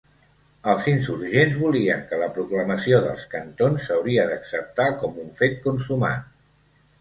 Els insurgents volien que la proclamació dels cantons s'hauria d'acceptar com un fet consumat.